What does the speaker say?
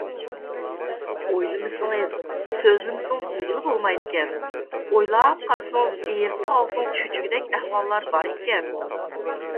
ئويلىمىسىڭىز، سۆزلىمىسىڭىز بىلگىلى بولمايدىكەن، ئويلاپ قارىسىڭىز، ئېغىزغا ئالسىڭىز چۆچۈگۈدەك ئەھۋاللار بار ئىكەن.